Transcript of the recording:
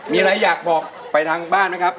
มีอะไรอยากบอกไปทางบ้านไหมครับ